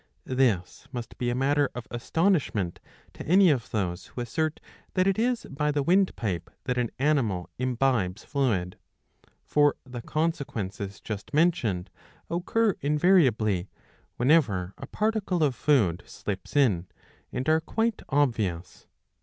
This must be a matter of astonishment to any of those who assert that it is by the windpipe that an animal imbibes fluid. ^ For the consequences just mentioned occur invariably, whenever a particle of food slips in, and are quite obvious.